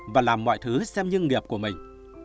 và làm mọi thứ xem như nghiệp của mình